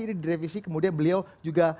ini direvisi kemudian beliau juga